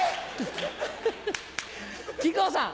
木久扇さん。